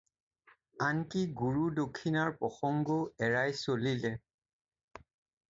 আনকি গুৰু দক্ষিণাৰ প্ৰসংগও এৰাই চলিলে।